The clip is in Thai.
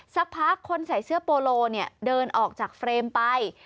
สักพักคนใส่เสื้อโปโลเดินออกจากเฟรมไป